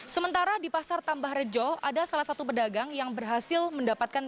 sementara di pasar tambah rejo ada salah satu pedagang yang berhasil mendapatkan